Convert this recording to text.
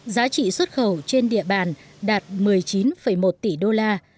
giá trị xuất khẩu trên địa bàn đạt một mươi chín một tỷ đô la